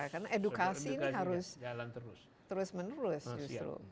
karena edukasi ini harus terus menerus justru